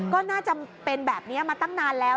ก็น่าจะเป็นแบบนี้มาตั้งนานแล้ว